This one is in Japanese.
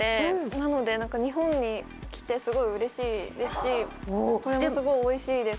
なので、日本に来てすごくうれしいですし、おいしいです。